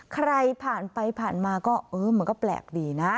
ใครผ่านไปผ่านมาก็เออมันก็แปลกดีนะ